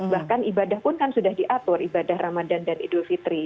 bahkan ibadah pun kan sudah diatur ibadah ramadan dan idul fitri